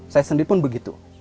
saya sendiri pun begitu